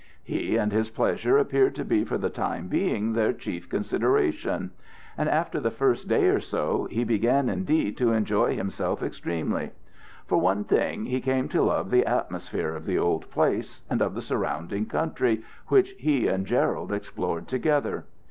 He and his pleasure appeared to be for the time being their chief consideration. And after the first day or so he began indeed to enjoy himself extremely. For one thing, he came to love the atmosphere of the old place and of the surrounding country, which he and Gerald explored together.